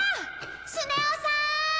スネ夫さーん！